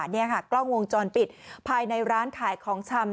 นี่ค่ะกล้องวงจรปิดภายในร้านขายของชำ